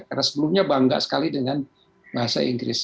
karena sebelumnya bangga sekali dengan bahasa inggris